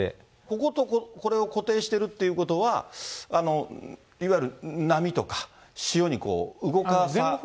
こことこれを固定してるっていうことは、いわゆる波とか、潮に動かされない。